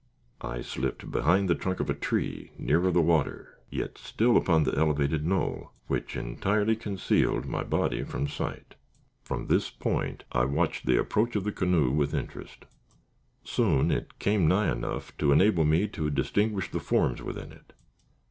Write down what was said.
I slipped behind the trunk of a tree, nearer the water, yet still upon the elevated knoll, which entirely concealed my body from sight. From this point I watched the approach of the canoe with interest. Soon it came nigh enough to enable me to distinguish the forms within it.